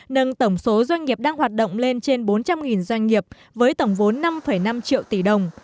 nâng tổng số doanh nghiệp đang hoạt động lên trên bốn trăm linh doanh nghiệp với tổng vốn năm năm triệu tỷ đồng